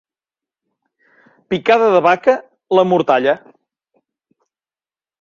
Picada de vaca, la mortalla.